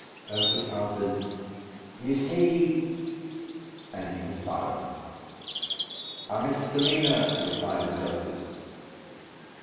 Ursus answered, "You see " And he was silent. "A misdemeanour!" replied the justice.